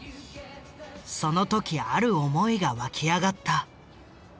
その時ある思いが湧き上がった。